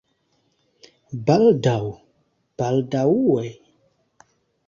Baldaŭ? Baldaŭe?